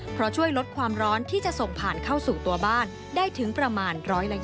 เพราะช่วยลดความร้อนที่จะส่งผ่านเข้าสู่ตัวบ้านได้ถึงประมาณ๑๒๐